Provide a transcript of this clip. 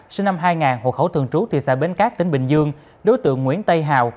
sinh năm hai nghìn hộ khẩu thường trú thị xã bến cát tỉnh bình dương đối tượng nguyễn tây hào